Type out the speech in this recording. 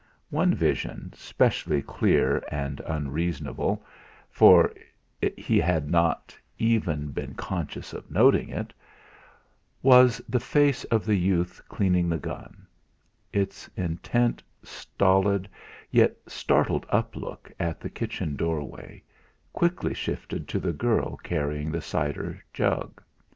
One vision, specially clear and unreasonable, for he had not even been conscious of noting it, was the face of the youth cleaning the gun; its intent, stolid, yet startled uplook at the kitchen doorway, quickly shifted to the girl carrying the cider jug.